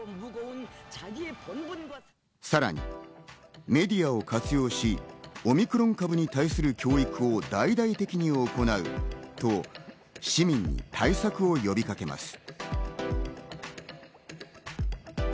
さらにメディアを活用し、オミクロン株に対する教育を大々的に行うと市民へ対策を呼びかけます。